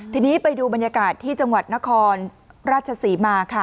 ทีนี้ไปดูบรรยากาศที่จังหวัดนครราชศรีมาค่ะ